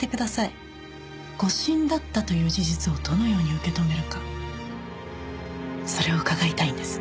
誤審だったという事実をどのように受け止めるかそれを伺いたいんです。